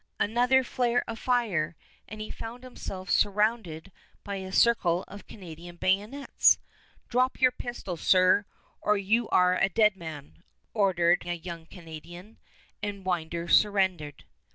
Another flare of fire, and he found himself surrounded by a circle of Canadian bayonets. "Drop your pistol, sir, or you are a dead man," ordered a young Canadian, and Winder surrendered.